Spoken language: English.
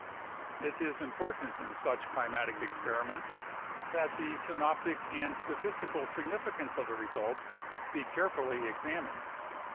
It is important in such climatic experiments that the synoptic and statistical significance of the results be carefully examined.